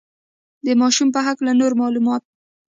د ماشو په هکله نور معلومات.